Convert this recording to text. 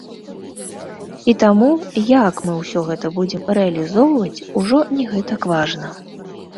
І таму, як мы ўсё гэта будзем рэалізоўваць, ужо не гэтак важна.